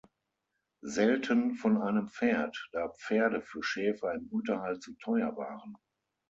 Selten von einem Pferd, da Pferde für Schäfer im Unterhalt zu teuer waren.